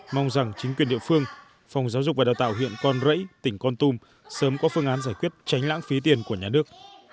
mong rằng chính quyền địa phương phòng giáo dục và đào tạo huyện con rẫy tỉnh con tum sớm có phương án giải quyết tránh lãng phí tiền của nhà nước